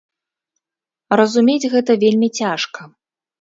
Разумець гэта вельмі цяжка.